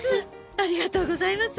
ありがとうございます。